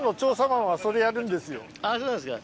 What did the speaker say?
そうなんですか。